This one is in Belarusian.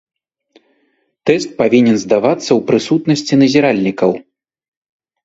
Тэст павінен здавацца ў прысутнасці назіральнікаў.